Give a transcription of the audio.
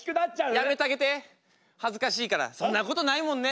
やめたげて恥ずかしいからそんなことないもんね。